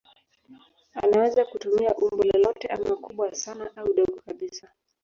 Anaweza kutumia umbo lolote ama kubwa sana au dogo kabisa.